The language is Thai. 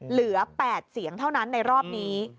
เหลือ๘เสียงเท่านั้นในรอบนี้